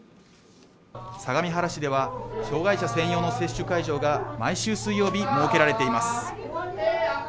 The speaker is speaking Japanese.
相模原市では障害者専用の接種会場が毎週水曜日設けられています